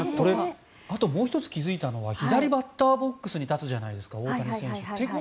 あともう１つ気付いたのが左バッターボックスに立つじゃないですか大谷選手。